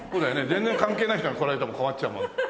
全然関係ない人が来られても困っちゃうもん。